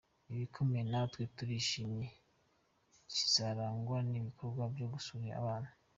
ibikomeye natwe turishimye kizarangwa n’ibikorwa byo gusura abana